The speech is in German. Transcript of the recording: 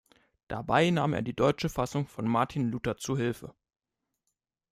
Dabei nahm er die deutsche Fassung von Martin Luther zu Hilfe.